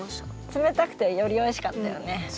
つめたくてよりおいしかったよね。